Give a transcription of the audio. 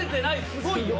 すごいよ。